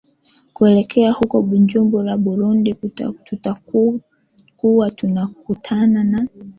kuelekea huko bujumbura burundi tutakua tunakutana na